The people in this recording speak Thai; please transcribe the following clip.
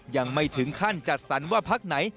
ยังไม่ถึงขั้นจัดสรรว่าพักไหน